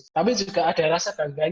tapi juga ada rasa banggaan